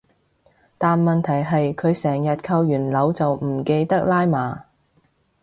但問題係佢成日扣完鈕就唔記得拉嘛